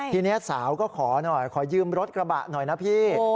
ทีนี้สาวก็ขอหน่อยขอยืมรถกระบะหน่อยนะพี่